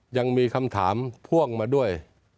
ยังมีคำถามพ่วงมาด้วย